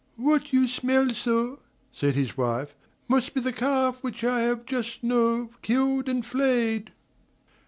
"What you smell so," said his wife, "must be the calf which I have just now killed and flayed."